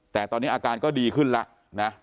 แต่ตอนนี้อาการก็ดีขึ้นแล้วนะ